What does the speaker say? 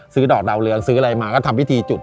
ดอกดาวเรืองซื้ออะไรมาก็ทำพิธีจุด